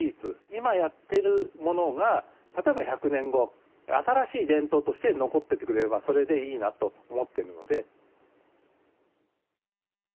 今やってるものが例えば１００年後新しい伝統として残っててくれればそれでいいなと思ってるので。